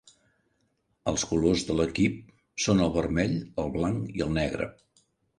Els colors de l'equip són el vermell, el blanc i el negre.